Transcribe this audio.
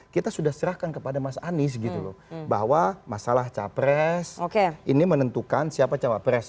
kita sudah serahkan kepada mas anies bahwa masalah capres ini menentukan siapa capres